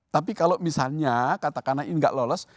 tapi kalau misalnya katakanlah ini nggak lolos